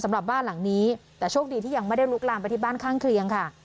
สำหรับบ้านหลังนี้แต่โชคดีที่ยังไม่ได้ลุกลามไปที่บ้านข้างเคียงค่ะ